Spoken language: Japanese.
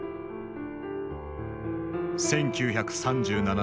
１９３７年。